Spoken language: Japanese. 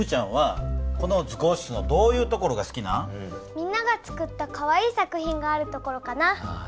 みんながつくったかわいい作品があるところかな。